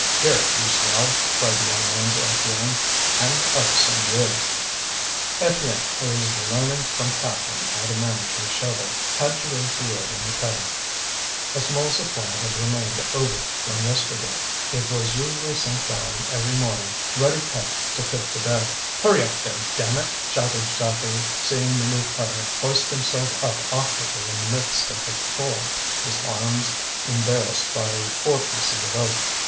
"Here, you swell," cried the young man to Étienne, "hand up some wood." Étienne, who was learning from Catherine how to manage his shovel, had to raise the wood in the cutting. A small supply had remained over from yesterday. It was usually sent down every morning ready cut to fit the bed. "Hurry up there, damn it!" shouted Zacharie, seeing the new putter hoist himself up awkwardly in the midst of the coal, his arms embarrassed by four pieces of oak.